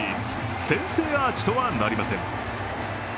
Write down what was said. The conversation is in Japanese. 先制アーチとはなりません。